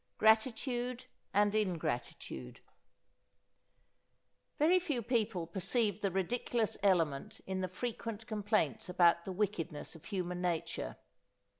GRATITUDE AND INGRATITUDE Very few people perceive the ridiculous element in the frequent complaints about the wickedness of human nature.